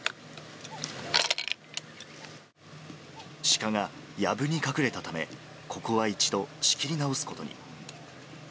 シカがやぶに隠れたため、ここは一度仕切り直すことに。